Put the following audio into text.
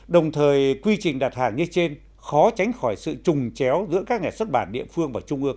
đồng thời quy trình đặt hàng như trên khó tránh khỏi sự trùng chéo giữa các nhà xuất bản địa phương và trung ước